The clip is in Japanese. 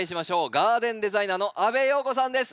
ガーデンデザイナーの阿部容子さんです。